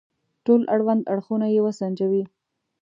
ټول اړوند اړخونه يې وسنجوي.